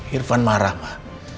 irfan marah pak